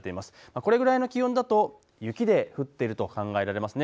これぐらいの気温だと雪で降っていると考えられますね。